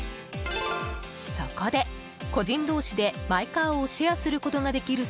そこで個人同士でマイカーをシェアすることができる